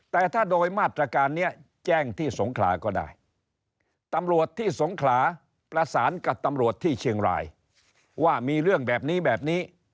แต่ถ้าโดยมาตรการนี้แจ้งที่สงขลาก็ได้ตำรวจที่สงขลาประสานกับตำรวจที่เชียงรายว่ามีเรื่องแบบนี้แบบนี้